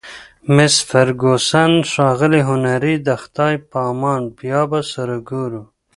مس فرګوسن: ښاغلی هنري، د خدای په امان، بیا به سره ګورو.